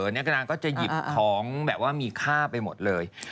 นักก็จะหยิบของแบบว่ามีค่าไปหมดเลย